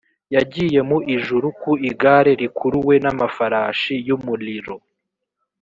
yagiye mu ijuru ku igare rikuruwe n’ amafarashi y’umuliro